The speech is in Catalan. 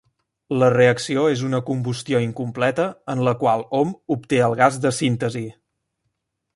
La reacció és una combustió incompleta en la qual hom obté el gas de síntesi.